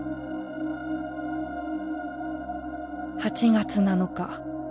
「８月７日。